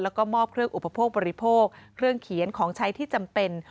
แล้วก็มอบเครื่องอุปโภคบริโภคเครื่องเขียนของใช้ที่จำเป็น